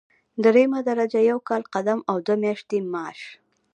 دریمه درجه یو کال قدم او دوه میاشتې معاش.